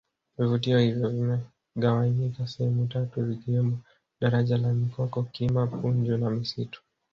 vivutio hivyo vimegawanyika sehemu tatu vikiwemo daraja la mikoko kima punju na misitu